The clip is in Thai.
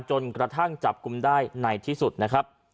จนกระทั่งจับกลุ่มได้ในที่สุดนะครับ